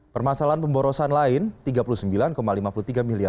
permasalahan pemborosan lain rp tiga puluh sembilan lima puluh tiga miliar